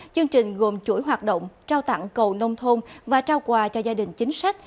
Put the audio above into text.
chương trình gồm chuỗi hoạt động trao tặng cầu nông thôn và trao quà cho gia đình chính sách